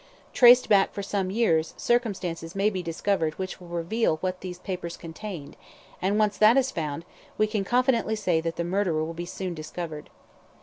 Traced back for some years, circumstances may be discovered which will reveal what these papers contained, and once that is found, we can confidently say that the murderer will soon be discovered.